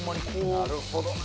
なるほどな。